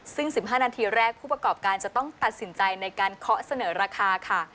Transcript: ซึ่ง๑๕นาทีแรกผู้ประกอบการจะต้องตัดสินใจในการเคาะเสนอราคาค่ะ